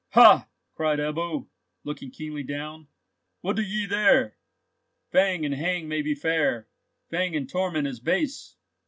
"Ha!" cried Ebbo, looking keenly down, "what do ye there? Fang and hang may be fair; fang and torment is base!